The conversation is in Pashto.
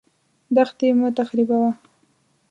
دښتې مه تخریبوه.